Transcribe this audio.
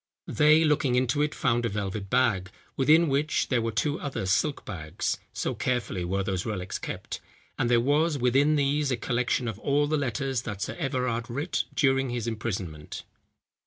They, looking into it, found a velvet bag, within which, there were two other silk bags, (so carefully were those relics kept) and there was within these a collection of all the letters that Sir Everard writ during his imprisonment."